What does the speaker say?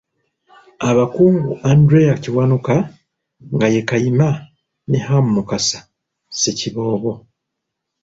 Abakungu Anderea Kiwanuka, nga ye Kayima, ne Ham Mukasa, Ssekiboobo.